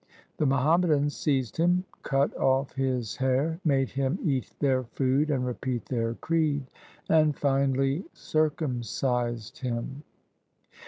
The Muhammadans seized him, cut off his hair, made him eat their food and repeat their creed, and finally circumcised him.